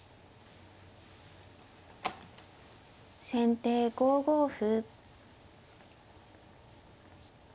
先手５五歩。